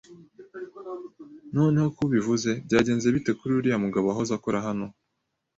Noneho ko ubivuze, byagenze bite kuri uriya mugabo wahoze akora hano?